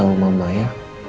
dan aku mohon sama mama ya